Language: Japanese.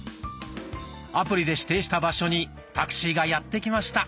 アプリで指定した場所にタクシーがやって来ました。